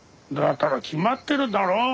だから決まってるだろう？